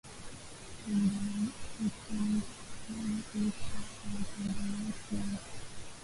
Tutenda ku ujisha ma mpango yetu yote